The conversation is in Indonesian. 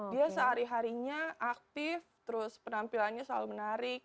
dia sehari harinya aktif terus penampilannya selalu menarik